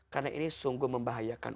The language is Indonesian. karena ini sungguh membahayakan